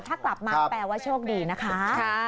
ถ้ากลับมาแปลว่าโชคดีนะคะ